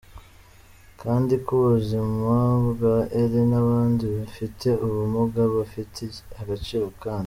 kandi ko ubuzima bwa Eli nabandi bafite ubumuga, bafite agaciro kandi.